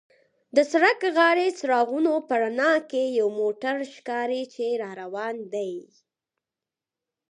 د سړک غاړې څراغونو په رڼا کې یو موټر ښکاري چې را روان دی.